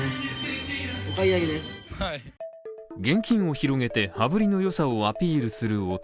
現金を広げて羽振りの良さをアピールする男。